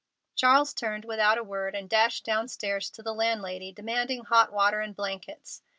Charles turned without a word and dashed downstairs to the landlady, demanding hot water and blankets.